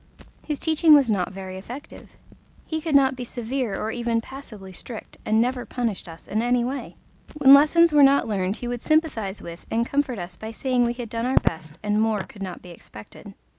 His teaching was not very effective. He could not be severe nor even passably strict, and never punished us in any way. When lessons were not learned he would sympathize with and comfort us by saying we had done our best and more could not be expected.